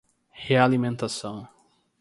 Realimentação